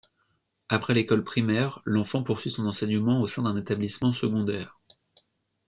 Après l'école primaire, l'enfant poursuit son enseignement au sein d'un établissement secondaire.